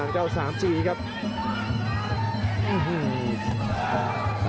อันนี้พยายามจะเน้นข้างซ้ายนะครับ